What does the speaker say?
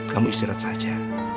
kamu istirahat saja